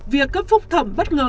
việc cấp phúc thẩm bất ngờ